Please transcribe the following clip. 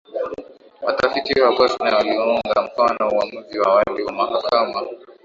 watafiti wa bosnia waliuunga mkono uamuzi wa awali wa mahakama